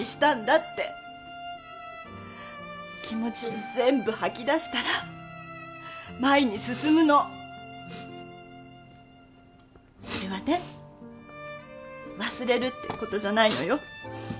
って気持ちを全部吐き出したら前に進むのそれはね忘れるってことじゃないのよ